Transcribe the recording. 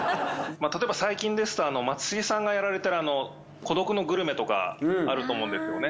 たとえば最近ですと松重さんがやられてる『孤独のグルメ』とかあると思うんですよね。